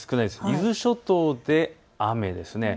伊豆諸島で雨です。